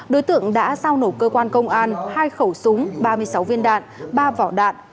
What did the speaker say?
đối tượng đã giao nổ cơ quan công an hai khẩu súng ba mươi sáu viên đạn ba vỏ đạn